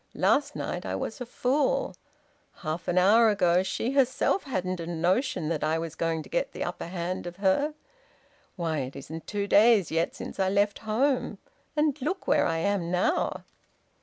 Last night I was a fool. Half an hour ago she herself hadn't a notion that I was going to get the upper hand of her... Why, it isn't two days yet since I left home! ... And look where I am now!"